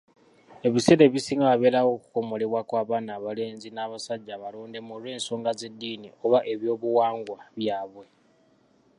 Ebiseera ebisinga wabeerawo okukomolebwa kw'abaana abalenzi n'abasajja abalondemu olw'ensonga z'eddiini oba ebyobuwangwa byabwe